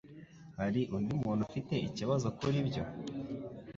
Hari undi muntu ufite ikibazo kuri ibyo?